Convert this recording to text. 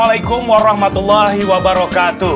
waalaikumsalam warahmatullahi wabarakatuh